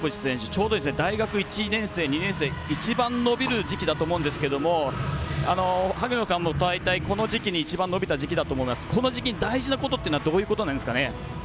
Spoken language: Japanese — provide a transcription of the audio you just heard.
ちょうど大学１年生、２年生一番伸びる時期だと思うんですけど、萩野さんも一番伸びた時期だと思うんですけどこの時期に大事なことってどういうことになるんですかね？